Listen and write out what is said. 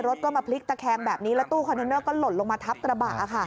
รถก็มาพลิกตะแคงแบบนี้แล้วตู้คอนเทนเนอร์ก็หล่นลงมาทับกระบะค่ะ